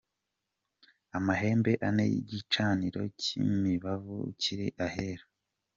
Amahembe ane y'igicaniro cy'imibavu kiri Ahera.